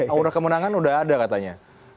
aura kemenangan udah ada katanya